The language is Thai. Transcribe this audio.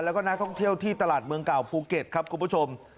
แล้วก็นักท่องเที่ยวที่ตลาดเมืองเก่าภูเก็ตครับคุณผู้ชม